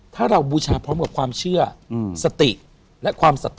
ถ้าเราบูชาพร้อมกับความเชื่อ